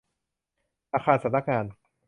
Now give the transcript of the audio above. อาคารสำนักงาน